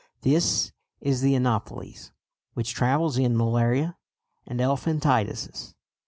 This is the Anopheles, which "travels in" malaria and elephantiasis.